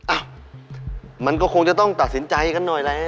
อ้าวมันก็คงจะต้องตัดสินใจกันหน่อยแล้ว